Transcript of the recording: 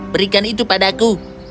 berikan itu kepada aku